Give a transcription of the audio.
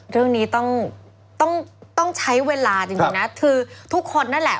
เรื่องนี้ต้องต้องใช้เวลาจริงนะคือทุกคนนั่นแหละ